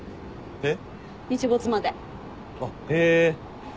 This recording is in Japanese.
えっ？